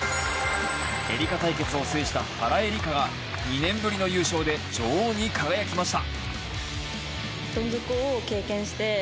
エリカ対決を制した原英莉花が２年ぶりの優勝で女王に輝きました。